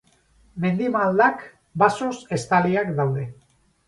Mendi maldak basoz estaliak daude.